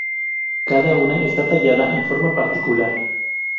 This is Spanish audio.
Cada una está tallada en una forma particular.